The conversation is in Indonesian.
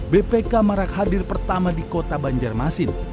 bpk marak hadir pertama di kota banjarmasin